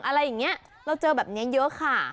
อะไรอย่างนี้เราเจอแบบนี้เยอะค่ะ